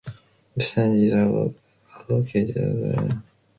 This stand is allocated to the home fans on match days.